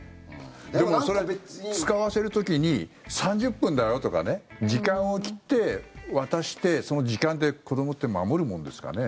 でも、それは使わせる時に３０分だよとかね時間を切って、渡してその時間って子どもって守るもんですかね？